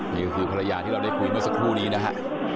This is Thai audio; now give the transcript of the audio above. นี่ก็คือภรรยาที่เราได้คุยเมื่อสักครู่นี้นะฮะ